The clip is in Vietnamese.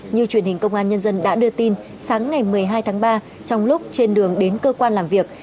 như truyền hình công an nhân dân đã đưa tin sáng ngày một mươi hai tháng ba trong lúc trên đường đến cơ quan làm việc